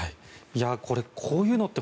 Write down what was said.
これ、こういうのって